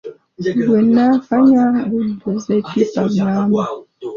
Gwenaakanywa gujjuza eppipa namba.